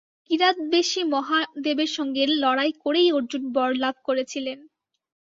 কিরাতবেশী মহাদেবের সঙ্গে লড়াই করেই অর্জুন বরলাভ করেছিলেন।